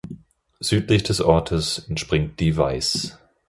Südlich des Ortes entspringt die Weiß.